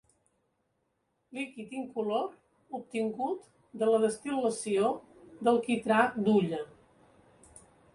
Líquid incolor obtingut de la destil·lació del quitrà d'hulla.